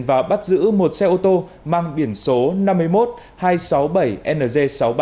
và bắt giữ một xe ô tô mang biển số năm mươi một hai trăm sáu mươi bảy ng sáu mươi ba